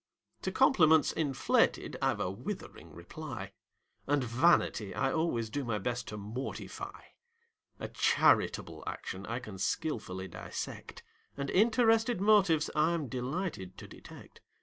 To compliments inflated I've a withering reply; And vanity I always do my best to mortify; A charitable action I can skilfully dissect: And interested motives I'm delighted to detect.